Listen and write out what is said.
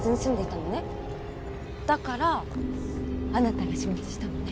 だからあなたが始末したのね。